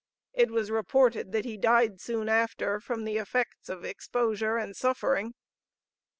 It was reported that he died soon after from the effects of exposure and suffering.